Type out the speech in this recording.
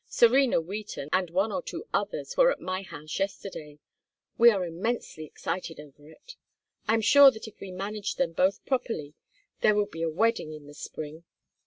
Serena Wheaton and one or two others were at my house yesterday. We are immensely excited over it. I am sure that if we managed them both properly there would be a wedding in the spring.